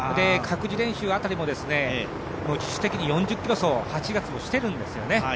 各自練習辺りも自主的に４０ｋｍ走を８月にしているんですよね。